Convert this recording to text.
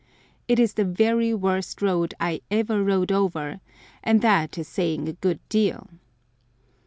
It is the very worst road I ever rode over, and that is saying a good deal!